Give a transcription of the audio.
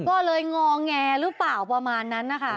ก็เลยงอแงหรือเปล่าประมาณนั้นนะคะ